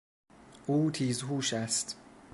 او تیزهوش است.